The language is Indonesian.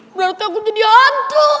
berarti aku jadi hantu